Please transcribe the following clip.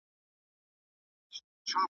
لاس مي شل ستونی مي وچ دی له ناکامه ګیله من یم .